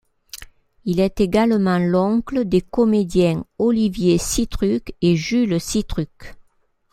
Il est également l'oncle des comédiens Olivier Sitruk et Jules Sitruk.